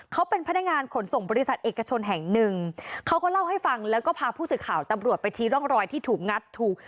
เขาเป็นพนักงานขนส่งบริษัทเอกชนแห่งหนึ่งเขาก็เล่าให้ฟังแล้วก็พาผู้สื่อข่าวตำรวจไปชี้ร่องรอยที่ถูกงัดถูก